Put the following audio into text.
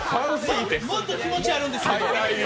もっと気持ちあるんですけど。